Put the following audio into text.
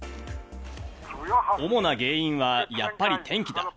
主な原因はやっぱり天気だ。